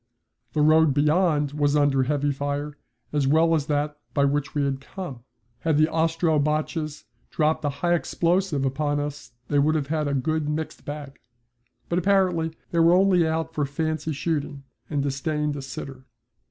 The road beyond was under heavy fire as well as that by which we had come. Had the Ostro Boches dropped a high explosive upon us they would have had a good mixed bag. But apparently they were only out for fancy shooting and disdained a sitter.